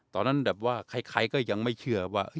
ตอนนั้นแบบว่าใครก็ยังไม่เชื่อว่า